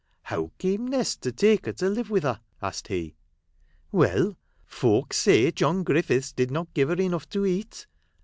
" How came Nest to take her to live with her ?" asked he. " Well ! Folk say John Griffiths did not give her enough to eat.